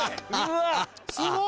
すごい！